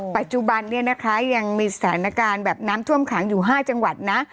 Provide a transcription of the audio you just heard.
ปัจจุบันเนี่ยนะคะยังมีสถานการณ์แบบน้ำท่วมขังอยู่๕จังหวัดนะ